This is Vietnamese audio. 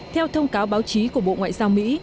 theo thông cáo báo chí của bộ ngoại giao mỹ